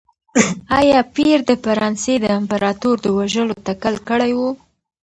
ایا پییر د فرانسې د امپراتور د وژلو تکل کړی و؟